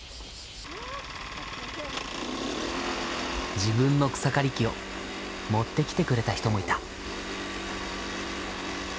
自分の草刈り機を持ってきてくれた人もいた。